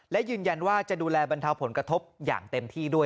และยืนยันว่าจะดูแลบรรเทาผลกระทบอย่างเต็มที่ด้วย